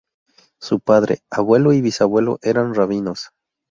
Su padre, abuelo y bisabuelo eran rabinos.